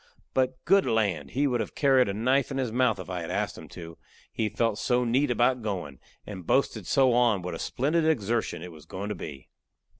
But good land! he would have carried a knife in his mouth if I had asked him to, he felt so neat about goin', and boasted so on what a splendid exertion it was goin' to be.